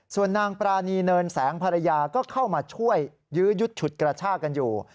ส่วนนางปรานีเนินแสงภรรยาก็เข้ามาช่วยยื้อยุดฉุดกระชากันอยู่